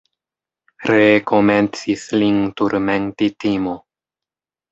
Ree komencis lin turmenti timo.